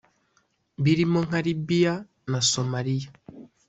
birimo nka Libya na Somalia